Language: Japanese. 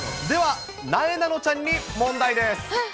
では、なえなのちゃんに問題です。